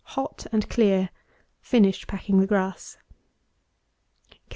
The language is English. Hot and clear. _Finished packing the grass.